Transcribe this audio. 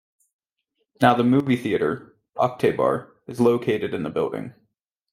Now the movie theater "Oktyabr" is located in the building.